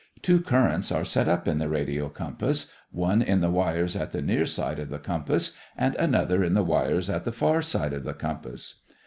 Two currents are set up in the radio compass, one in the wires at the near side of the compass, and another in the wires at the far side of the compass.